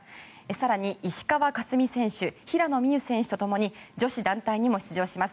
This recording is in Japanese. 更に石川佳純選手平野美宇選手とともに女子団体にも出場します。